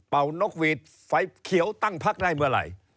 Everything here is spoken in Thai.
นกหวีดไฟเขียวตั้งพักได้เมื่อไหร่